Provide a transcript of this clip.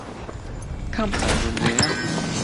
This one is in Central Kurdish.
کام خانوو نوێیە؟